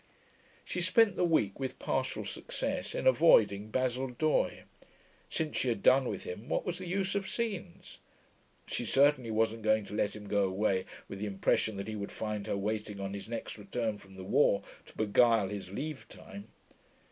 She spent the week, with partial success, in avoiding Basil Doye. Since she had done with him, what was the use of scenes? She certainly wasn't going to let him go away with the impression that he would find her waiting on his next return from the war to beguile his leave time.